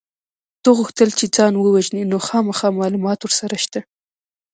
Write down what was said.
ده غوښتل چې ځان ووژني نو خامخا معلومات ورسره شته